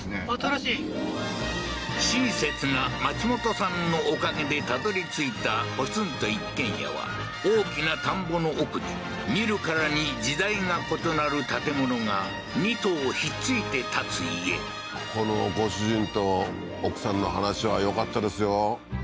新しい親切な松本さんのおかげでたどり着いたポツンと一軒家は大きな田んぼの奥に見るからに時代が異なる建物が２棟ひっついて建つ家ここのご主人と奥さんの話はよかったですよ